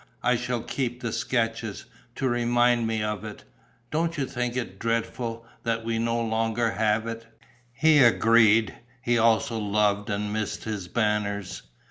I shall keep the sketches, to remind me of it. Don't you think it dreadful, that we no longer have it?" He agreed; he also loved and missed his Banners.